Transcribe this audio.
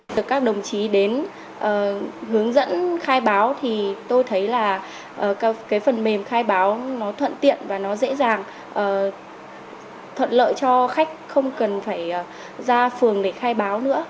được các đồng chí đến hướng dẫn khai báo thì tôi thấy là cái phần mềm khai báo nó thuận tiện và nó dễ dàng thuận lợi cho khách không cần phải ra phường để khai báo nữa